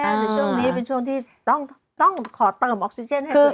ในช่วงนี้เป็นช่วงที่ต้องขอเติมออกซิเจนให้ตัวเอง